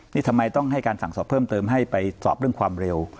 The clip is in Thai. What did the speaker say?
นี่ทำไมต้องให้การสั่งสอบเพิ่มเติมให้ไปสอบเรื่องความเร็ว